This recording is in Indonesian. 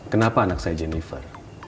kenapa anak saya jennifer